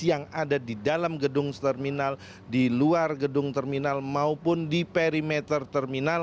yang ada di dalam gedung terminal di luar gedung terminal maupun di perimeter terminal